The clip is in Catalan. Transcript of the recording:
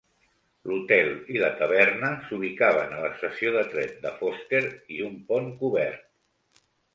L'hotel i la taverna s'ubicaven a l'estació de tren de Foster i un pont cobert.